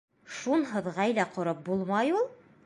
Шунһыҙ ғаилә ҡороп булмай ул!